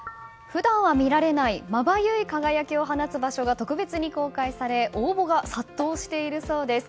普段は見られないまばゆい輝きを放つ場所が特別に公開され応募が殺到しているそうです。